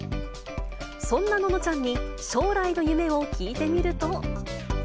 そんなののちゃんに、将来の夢を聞いてみると。